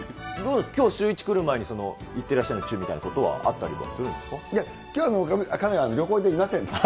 きょう、シューイチ来る前にいってらっしゃいのチューみたいなことはあったりするんですか。